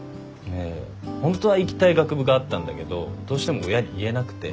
ホントは行きたい学部があったんだけどどうしても親に言えなくて。